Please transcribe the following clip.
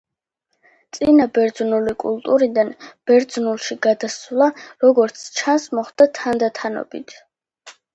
წინა ბერძნული კულტურიდან ბერძნულში გადასვლა, როგორც ჩანს მოხდა თანდათანობით.